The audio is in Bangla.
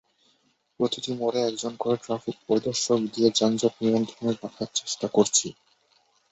প্রতিটি মোড়ে একজন করে ট্রাফিক পরিদর্শক দিয়ে যানজট নিয়ন্ত্রণে রাখার চেষ্টা করছি।